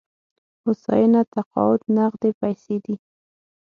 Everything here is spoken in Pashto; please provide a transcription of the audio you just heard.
هوساینه تقاعد نغدې پيسې دي.